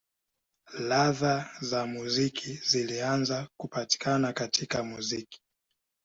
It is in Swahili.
Ladha za muziki zilianza kupatikana katika muziki.